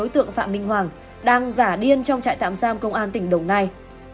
trong trại tạm giam công an tỉnh đồng nai